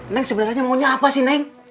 neng sebenarnya maunya apa sih neng